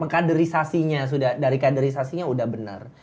kaderisasinya sudah dari kaderisasinya sudah benar